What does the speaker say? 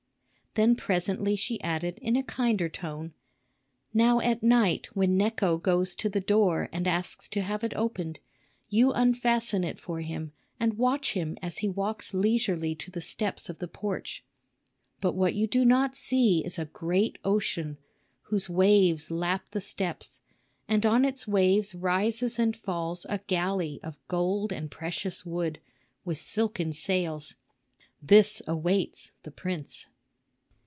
Then presently she added in a kinder tone: "Now at night, when Necho goes to the door and asks to have it opened, you unfasten it for him and watch him as he walks leisurely to the steps of the porch. But what you do not see is a great ocean, whose waves lap the steps; and on its waves rises and falls a galley of gold and precious wood, with silken sails. This awaits the prince.